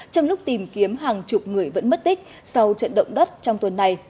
trong lúc tìm kiếm hàng chục người vẫn mất tích sau trận động đất trong tuần này